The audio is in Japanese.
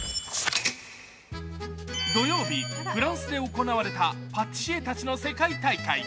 土曜日、フランスで行われたパティシエたちの世界大会。